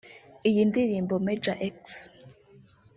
Iyi ndirimbo Major X